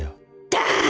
ダン！